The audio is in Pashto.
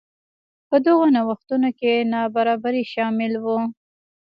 په دغو نوښتونو کې نابرابري شامل وو.